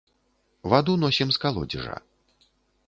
Ваду носім з калодзежа.